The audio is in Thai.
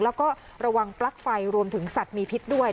แล้วก็ระวังปลั๊กไฟรวมถึงสัตว์มีพิษด้วย